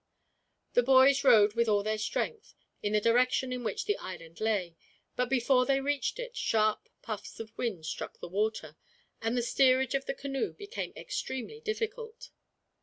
The boys rowed with all their strength in the direction in which the island lay, but before they reached it sharp puffs of wind struck the water, and the steerage of the canoe became extremely difficult.